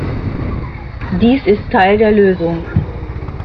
Dies ist Teil der Lösung.